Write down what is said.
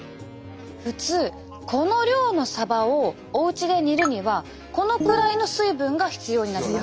普通この量のサバをおうちで煮るにはこのくらいの水分が必要になります。